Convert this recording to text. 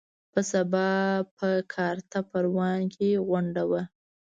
په سبا په کارته پروان کې غونډه وه.